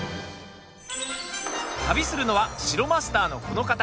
旅するのは、城マスターのこの方。